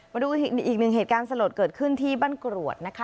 มาดูอีกหนึ่งเหตุการณ์สลดเกิดขึ้นที่บ้านกรวดนะคะ